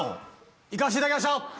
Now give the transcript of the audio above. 行かせていただきました！